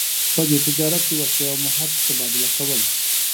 په دې تجارت کې وسلې او مهت تبادله کول.